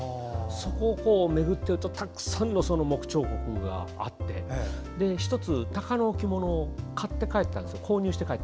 そこを巡ってるとたくさんの木彫刻があって１つ、タカの置物を買って帰ったんですよ。